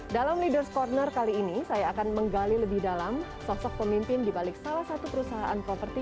dalam leaders ⁇ corner kali ini saya akan menggali lebih dalam sosok pemimpin di balik salah satu perusahaan properti